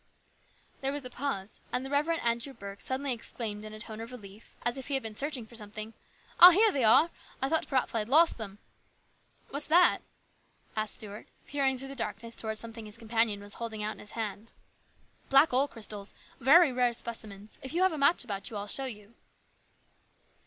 There was a pause, and the Rev. Andrew Burke suddenly exclaimed in a tone of relief, as if he had been searching for something, " Ah, here they are ! I thought perhaps I had lost them !"" What's that ?" asked Stuart, peering through the darkness toward something his companion was holding out in his hand. " Black ore crystals. Very rare specimens. If you have a match about you, I will show you."